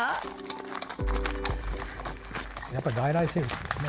やっぱり外来生物ですね。